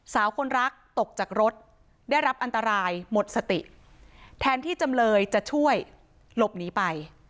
สาวคนรักตกจากรถได้รับอันตรายหมดสติแทนที่จำเลยจะช่วยหลบหนีไป